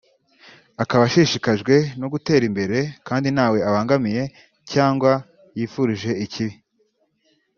akaba ashishikajwe no gutera imbere kandi ntawe abangamiye cyangwa yifurije ikibi